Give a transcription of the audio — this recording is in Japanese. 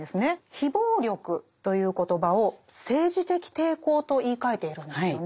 「非暴力」という言葉を「政治的抵抗」と言いかえているんですよね。